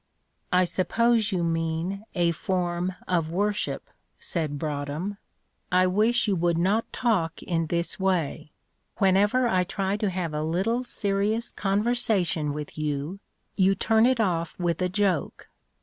"I suppose you mean a form of worship," said Broadhem; "I wish you would not talk in this way. Whenever I try to have a little serious conversation with you, you turn it off with a joke.